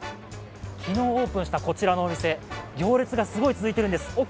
昨日オープンしたこちらのお店行列がすごい続いているんです。